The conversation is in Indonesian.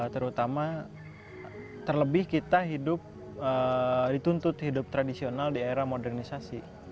terutama terlebih kita hidup dituntut hidup tradisional di era modernisasi